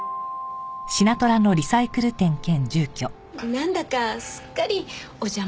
なんだかすっかりお邪魔しちゃって。